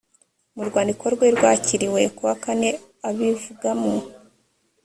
mu rwandiko rwe rwakiriwe kuwakane abivugamo